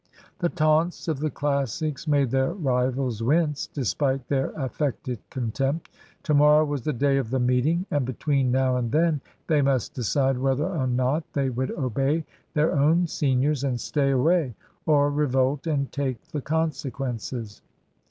The taunts of the Classics made their rivals wince, despite their affected contempt. To morrow was the day of the meeting; and between now and then they must decide whether or not they would obey their own seniors and stay away, or revolt and take the consequences.